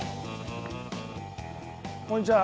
こんにちは。